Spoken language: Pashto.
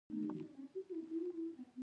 افغانستان د د کلیزو منظره له مخې پېژندل کېږي.